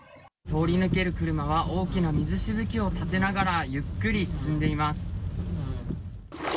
通り抜ける車は、大きな水しぶきを立てながら、ゆっくり進んでいます。